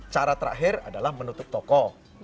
cara terakhir adalah menutup toko